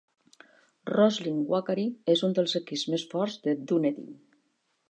Roslyn-Wakari és un dels equips més forts de Dunedin.